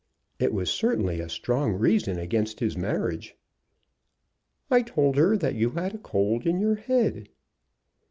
It was certainly a strong reason against his marriage. "I told her that you had a cold in your head."